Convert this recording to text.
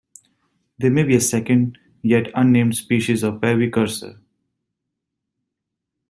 There may be a second, yet-unnamed, species of "Parvicursor".